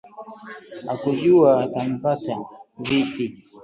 hakujua atampata vipi